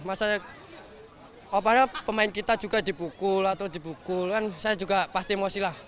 maksudnya pemain kita juga dibukul atau dibukul kan saya juga pasti emosi lah